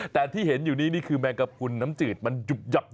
แต่ที่เห็นอยู่นี้นี่คือแมงกระพุนน้ำจืดมันหยุบยับ